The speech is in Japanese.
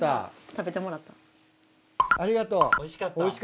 食べてもらった。